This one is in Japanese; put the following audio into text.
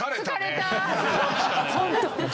本当。